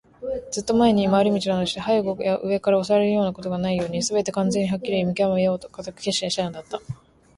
ずっと前に、廻り道などして背後や上から襲われるようなことがないように、すべてを完全にはっきり見きわめようと固く決心していたのだった。